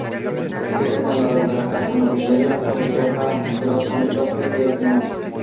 Es el fundador de la casa nobiliaria austríaca de los condes Vasquez de Pinos.